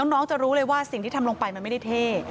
น้องจะรู้เลยว่าสิ่งที่ทำลงไปมันไม่ได้เท่